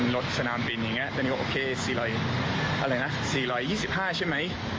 รถสนามปริ้งยังไงแต่อยู่โอเคสี่ร้อยอะไรนะสี่ร้อยยี่สิบห้าใช่ไหม